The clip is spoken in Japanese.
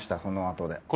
このあとで。